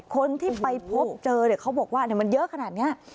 คนที่ไปพบเจอเขาบอกว่ามันเยอะขนาดนี้